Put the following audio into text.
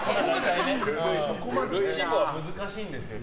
イチボは難しいんですよ。